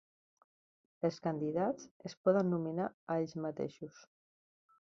Els candidats es poden nominar a ells mateixos.